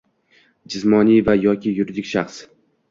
jismoniy va yoki yuridik shaxs;